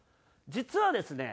実はですね